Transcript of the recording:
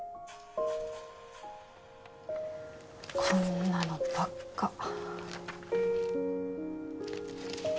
こんなのばっか。